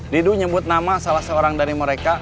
didu nyebut nama salah seorang dari mereka